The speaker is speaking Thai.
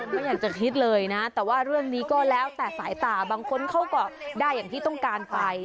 ไม่อยากจะคิดเลยนะแต่ว่าเรื่องนี้ก็แล้วแต่สายตาบางคนเขาก็ได้อย่างที่ต้องการไป